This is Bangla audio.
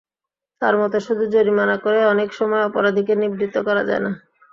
তাঁর মতে, শুধু জরিমানা করে অনেক সময় অপরাধীকে নিবৃত্ত করা যায় না।